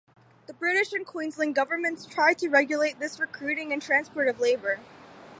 The British and Queensland governments tried to regulate this recruiting and transport of labour.